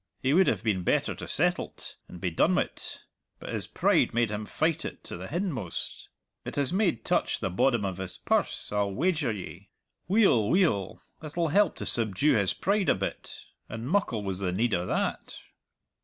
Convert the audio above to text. He would have been better to settle't and be done wi't, but his pride made him fight it to the hindmost! It has made touch the boddom of his purse, I'll wager ye. Weel, weel, it'll help to subdue his pride a bit, and muckle was the need o' that."